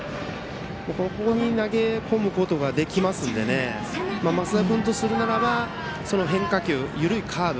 ここに投げ込むことができますので、升田君とするならその変化球、緩いカーブ